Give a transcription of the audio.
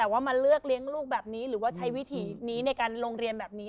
หรือว่าใช้วิธีนี้ในการลงเรียนแบบนี้